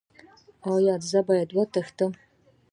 ایا زه باید وتښتم؟